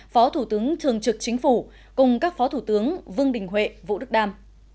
phó thủ tướng thường trực chính phủ cùng các phó thủ tướng vương đình huệ vũ đức đam